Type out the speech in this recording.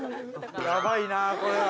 ◆やばいなあ、これは。